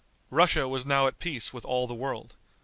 Russia was now at peace with all the world.